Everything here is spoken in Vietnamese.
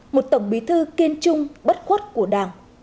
một tổng bí thư kiên trung bất khuất của đảng